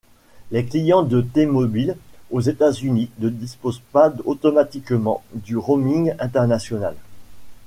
Les clients de T-Mobile aux États-Unis ne disposent pas automatiquement du roaming international.